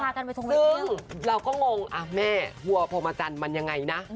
ซึ่งเราก็งงแม่วัวพรหมจรรย์มันยังไงนะ